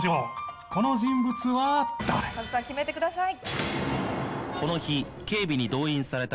カズさん決めてください。